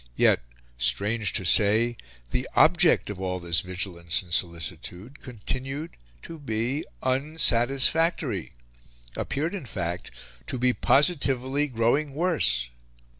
Yet, strange to say, the object of all this vigilance and solicitude continued to be unsatisfactory appeared, in fact, to be positively growing worse.